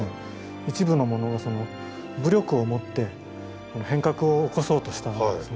一部の者が武力をもって変革を起こそうとしたんですね。